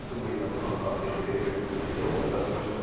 カンカン先生」ということで手を渡しましたね。